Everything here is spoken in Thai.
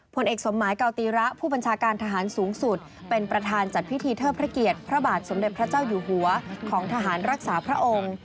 ผลเอกสมหมายเกาตีระผู้บัญชาการทหารสูงสุดเป็นประธานจัดพิธีเทิดพระเกียรติพระบาทสมเด็จพระเจ้าอยู่หัวของทหารรักษาพระองค์